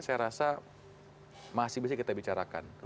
saya rasa masih bisa kita bicarakan